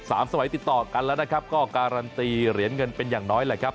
สมัยติดต่อกันแล้วนะครับก็การันตีเหรียญเงินเป็นอย่างน้อยแหละครับ